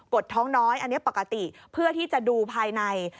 ดท้องน้อยอันนี้ปกติเพื่อที่จะดูภายใน